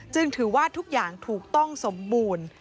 ถือว่าทุกอย่างถูกต้องสมบูรณ์